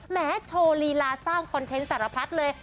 แม้โชว์ลีลาสร้างคอนเทนต์สารพัดเลย